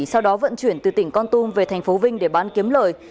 sau đó vận chuyển từ tỉnh con tung về tp vinh để bán kiếm lời